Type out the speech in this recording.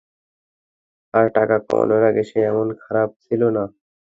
আর টাকা কামানোর আগে সে এমন খারাপ ছিলো না।